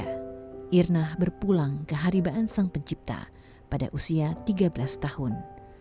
tujuh belas juli dua ribu dua puluh tiga irnah berpulang ke haribaan sang pencipta pada usia tiga belas tahun